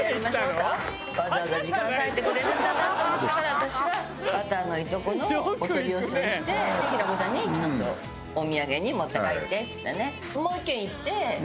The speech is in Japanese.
わざわざ時間割いてくれるんだなと思ったから私はバターのいとこのお取り寄せをして平子ちゃんにちゃんと「お土産に持って帰って」っつってね。